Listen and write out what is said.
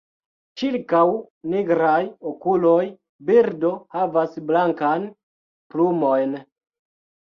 Ĉirkaŭ nigraj okuloj birdo havas blankan plumojn.